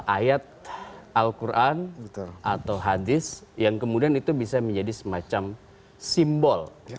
ayat al quran atau hadis yang kemudian itu bisa menjadi semacam simbol